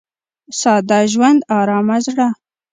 • ساده ژوند، ارامه زړه.